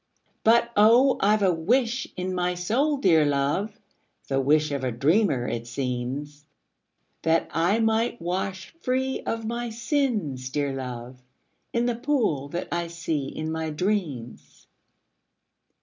But, oh, I 've a wish in my soul, dear love, (The wish of a dreamer, it seems,) That I might wash free of my sins, dear love, In the pool that I see in my dreams.